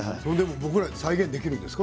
僕らで再現できるんですか。